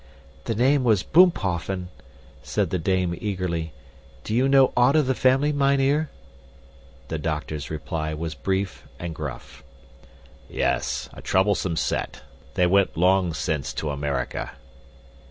"The name was Boomphoffen," said the dame eagerly. "Do you know aught of the family, mynheer?" The doctor's reply was brief and gruff. "Yes. A troublesome set. They went long since to America."